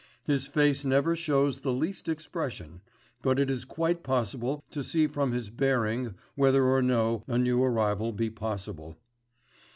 His face never shows the least expression; but it is quite possible to see from his bearing whether or no a new arrival be possible.